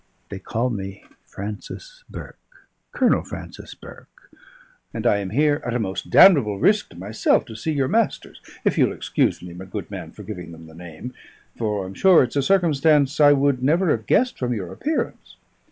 They call me Francis Burke Colonel Francis Burke; and I am here, at a most damnable risk to myself, to see your masters if you'll excuse me, my good man, for giving them the name, for I'm sure it's a circumstance I would never have guessed from your appearance.